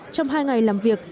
trong hai ngày làm việc